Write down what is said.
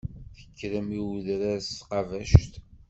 Tekkrem i wedrar s tqabact.